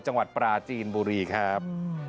จังหวัดปราจีนบุรีครับ